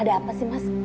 ada apa sih